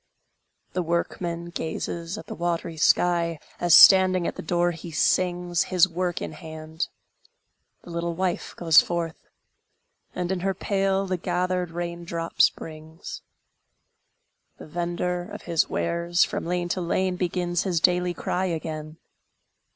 The workman gazes at the watery sky, As standing at the door he sings, His work in hand; the little wife goes forth, And in her pail the gathered rain drops brings; The vendor of his wares, from lane to lane, Begins his daily cry again.